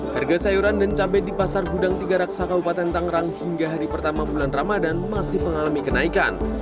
harga sayuran dan cabai di pasar gudang tiga raksa kabupaten tangerang hingga hari pertama bulan ramadan masih mengalami kenaikan